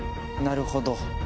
なるほど。